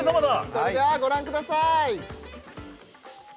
それではご覧ください